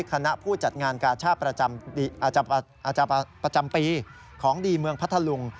คณะผู้จัดงานกาชาติประจำปีของดีเมืองพัทธลุง